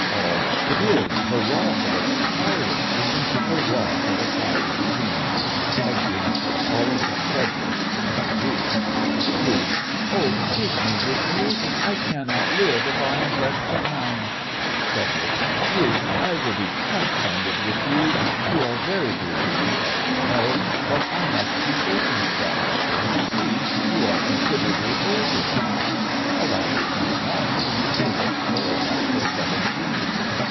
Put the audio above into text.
ALL: It is! Hurrah for the Pirate King! Hurrah for the Pirate King! (Exeunt all except FREDERIC. Enter RUTH.) RUTH: Oh, take me with you! I cannot live if I am left behind. FREDERIC: Ruth, I will be quite candid with you. You are very dear to me, as you know, but I must be circumspect. You see, you are considerably older than I. A lad of twenty one usually looks for a wife of seventeen.